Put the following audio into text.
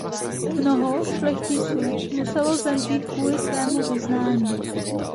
Mnoho šlechticů muselo zemřít kvůli svému vyznání.